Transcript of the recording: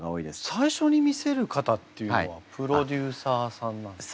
最初に見せる方っていうのはプロデューサーさんなんですか？